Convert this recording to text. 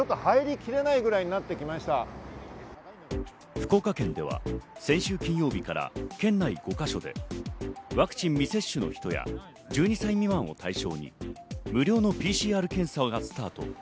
福岡県では先週金曜日から県内５か所でワクチン未接種の人や１２歳未満を対象に無料のＰＣＲ検査がスタート。